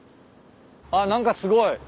あっ何かすごい。